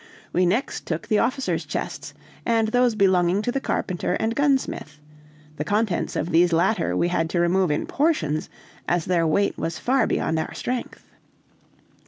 We next took the officers' chests, and those belonging to the carpenter and gunsmith; the contents of these latter we had to remove in portions, as their weight was far beyond our strength.